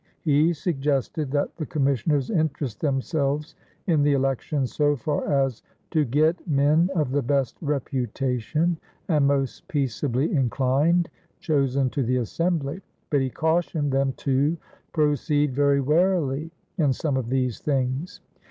He suggested that the commissioners interest themselves in the elections so far as "to gett men of the best reputation and most peaceably inclined" chosen to the assembly, but he cautioned them to "proceed very warily" in some of these things.